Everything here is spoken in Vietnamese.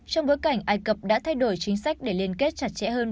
trong bối cảnh ai cập đã thay đổi chính sách để liên kết chặt chẽ hơn